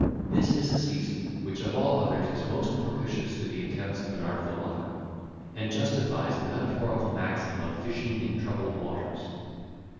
This is a season, which of all others is most propitious to the attempts of an artful lover; and justifies the metaphorical maxim of fishing in troubled waters.